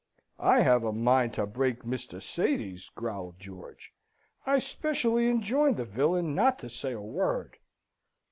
"I have a mind to break Mr. Sady's," growled George. "I specially enjoined the villain not to say a word."